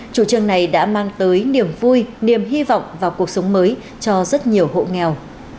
chủ trương này đã mang tới niềm vui niềm hy vọng vào cuộc sống mới cho rất nhiều hộ nghèo